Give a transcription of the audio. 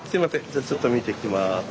じゃあちょっと見てきます。